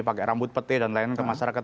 pake rambut peti dan lain kemasyarakat